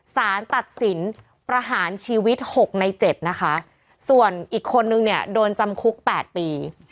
สารตัดสินประหารชีวิต๖ใน๗นะคะส่วนอีกคนนึงเนี่ยโดนจำคุก๘ปี